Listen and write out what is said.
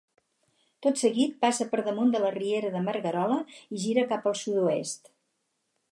Tot seguit passa per damunt de la riera de Magarola, i gira cap al sud-oest.